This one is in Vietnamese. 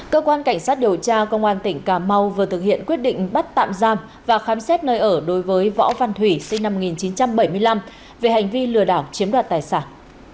cơ quan cảnh sát điều tra công an tỉnh cà mau vừa thực hiện quyết định bắt tạm giam và khám xét nơi ở đối với võ văn thủy sinh năm một nghìn chín trăm bảy mươi năm về hành vi lừa đảo chiếm đoạt tài sản